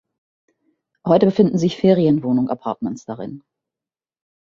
Heute befinden sich Ferienwohnung-Appartements darin.